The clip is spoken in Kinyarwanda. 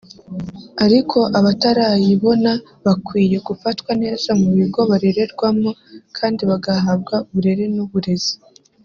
ariko abatarayibona bakwiye gufatwa neza mu bigo barererwamo kandi bagahabwa uburere n’uburezi